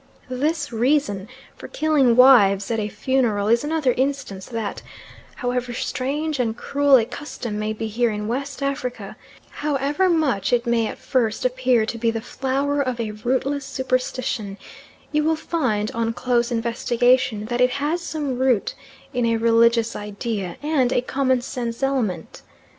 This reason for killing wives at a funeral is another instance that, however strange and cruel a custom may be here in West Africa, however much it may at first appear to be the flower of a rootless superstition, you will find on close investigation that it has some root in a religious idea, and a common sense element.